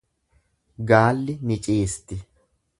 gaalli ni ciisti.